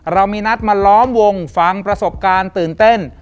เรามีนัดมาล้อมวงฟังประสบการณ์ตื่นเต้น